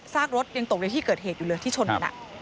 กรถยังตกในที่เกิดเหตุอยู่เลยที่ชนกัน